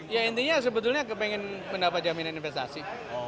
ya intinya sebetulnya kepengen mendapat jaminan investasi